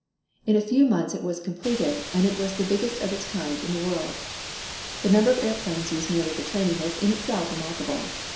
In a few months it was completed, and it was the biggest of its kind in the world. The number of airplanes used merely for training was in itself remarkable.